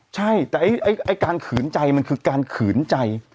ใช่แต่ไอ้การขืนใจมันคือการขืนใจ